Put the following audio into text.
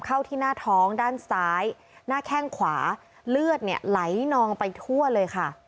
เข้าที่หน้าท้องด้านซ้ายหน้าแข้งขวาเลือดเนี่ยไหลนองไปทั่วเลยค่ะ